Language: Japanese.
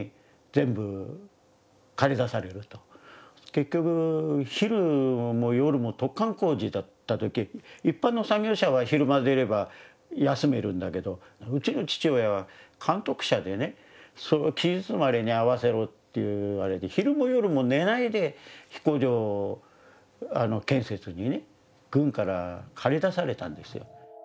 結局昼も夜も突貫工事だった時一般の作業者は昼間出れば休めるんだけどうちの父親は監督者でねその期日までに合わせろっていうあれで昼も夜も寝ないで飛行場建設にね軍から駆り出されたんですよ。